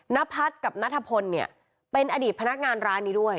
นพัฒน์กับนัทพลเนี่ยเป็นอดีตพนักงานร้านนี้ด้วย